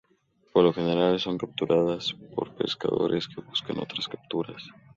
Por lo general, son capturadas por pescadores que buscan otras capturas.